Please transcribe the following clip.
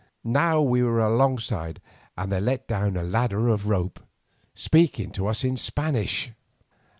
Now we were alongside and they let down a ladder of rope, speaking to us in Spanish.